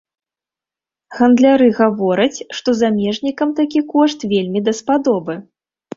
Гандляры гавораць, што замежнікам такі кошт вельмі даспадобы.